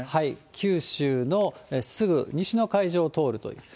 九州のすぐ西の海上を通るという。